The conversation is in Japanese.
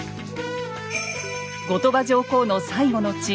後鳥羽上皇の最期の地